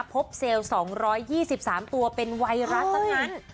เซลล์๒๒๓ตัวเป็นไวรัสซะงั้น